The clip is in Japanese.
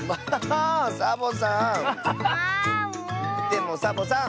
でもサボさん。